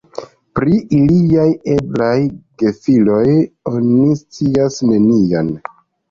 Pri iliaj eblaj gefiloj oni scias nenion.